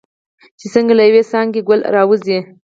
چې څنګه له یوې څانګې ګل راوځي.